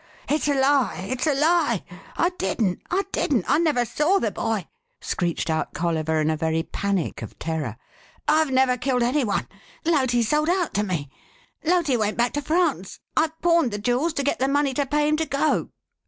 "It's a lie! It's a lie! I didn't! I didn't! I never saw the boy!" screeched out Colliver in a very panic of terror. "I've never killed any one. Loti sold out to me! Loti went back to France. I pawned the jewels to get the money to pay him to go."